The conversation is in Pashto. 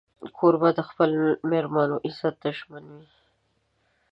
کوربه د خپلو مېلمنو عزت ته ژمن وي.